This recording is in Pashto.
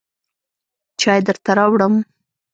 چای درته راوړم.